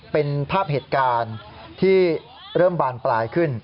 เป็นภาพเหตุการณ์ที่เริ่มบานปลายขึ้น